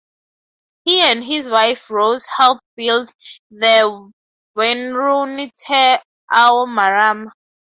He and his wife Rose helped build the wharenui Te Ao Marama.